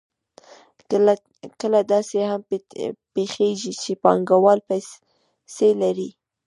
کله داسې هم پېښېږي چې پانګوال پیسې لري